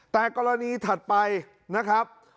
แต่กรณีถัดไปนะครับ